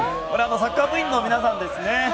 サッカー部員の皆さんですね。